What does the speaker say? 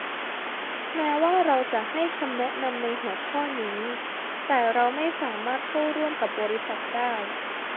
แม้ว่าเราจะให้คำแนะนำในหัวข้อนี้ แต่เราไม่สามารถเข้าร่วมกับบริษัทได้